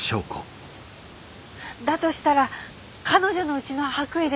だとしたら彼女のうちの白衣です。